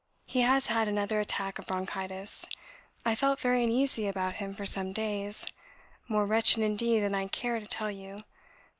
He has had another attack of bronchitis. I felt very uneasy about him for some days more wretched indeed than I care to tell you.